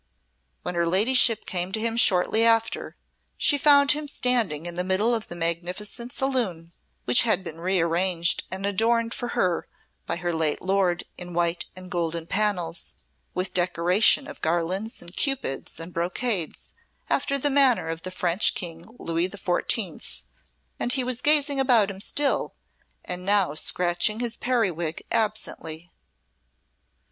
When her ladyship came to him shortly after, she found him standing in the middle of the magnificent saloon (which had been rearranged and adorned for her by her late lord in white and golden panels, with decoration of garlands and Cupids and brocades after the manner of the French King Louis Fourteenth), and he was gazing about him still, and now scratching his periwig absently.